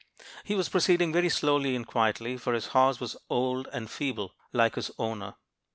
"He was proceeding very slowly and quietly, for his horse was old and feeble, like his owner.